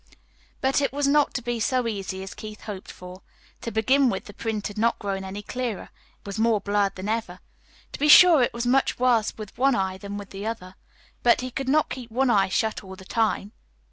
But it was not to be so easy as Keith hoped for. To begin with, the print had not grown any clearer. It was more blurred than ever. To be sure, it was much worse with one eye than with the other; but he could not keep one eye shut all the time.